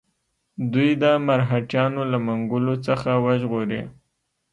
دوی د مرهټیانو له منګولو څخه وژغوري.